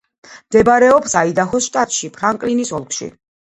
მდებარეობს აიდაჰოს შტატში, ფრანკლინის ოლქში.